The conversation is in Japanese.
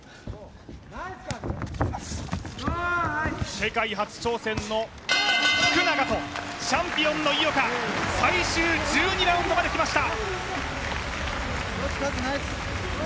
世界初挑戦の福永とチャンピオンの井岡最終１２ラウンドまできました。